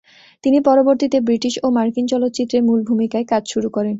তিনি পরবর্তীতে ব্রিটিশ ও মার্কিন চলচ্চিত্রে মূল ভূমিকায় কাজ শুরু করেন।